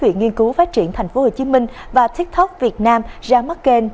viện nghiên cứu phát triển tp hcm và tiktok việt nam ra mắt kênh